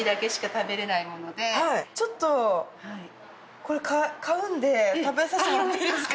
ちょっとこれ買うんで食べさせてもらっていいですか？